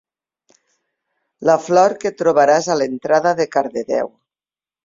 La flor que trobaràs a l'entrada de Cardedeu.